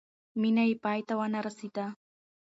مینه یې پای ته ونه رسېده.